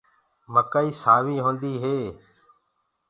مڪآيو مي سآوڪ ئي هوندي هي